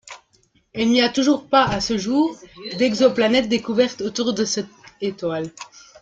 Il n'y a toujours pas à ce jour d'exoplanète découverte autour de cette étoile.